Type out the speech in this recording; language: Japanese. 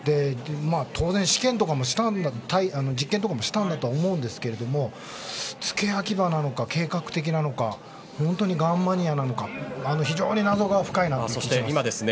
当然、実験とかもしたんだと思うんですが付け焼き刃なのか、計画的なのか本当にガンマニアなのか非常に謎が深いと思います。